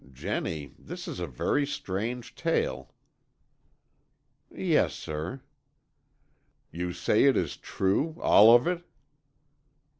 "Jennie, this is a very strange tale." "Yes, sir." "You say it is true—all of it?"